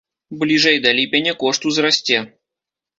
Бліжэй да ліпеня кошт узрасце.